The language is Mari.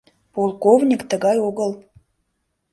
Полковник тыгай огыл.